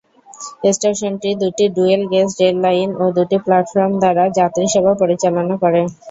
স্টেশনটি দুটি dual gauge rail line ও দুটি প্লাটফর্ম দ্বারা যাত্রী সেবা পরিচালনা করে।